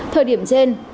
thời điểm trên